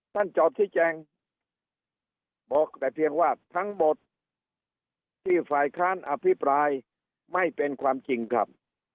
จอบที่แจงบอกแต่เพียงว่าทั้งหมดที่ฝ่ายค้านอภิปรายไม่เป็นความจริงครับ